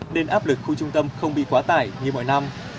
nên áp lực khu trung tâm không bị quá tải như mọi năm